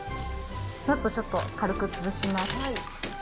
ナッツをちょっと軽く潰します。